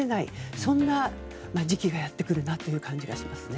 そんな時期がやってくるなという感じがしますね。